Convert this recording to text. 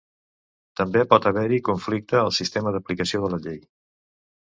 També pot haver-hi conflicte al sistema d'aplicació de la llei.